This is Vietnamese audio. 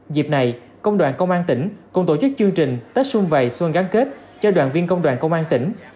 dịp này công đoàn công an tỉnh cũng tổ chức chương trình tết xuân vầy xuân gắn kết cho đoàn viên công đoàn công an tỉnh